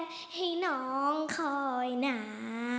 เพื่อให้น้องคอยน้ำ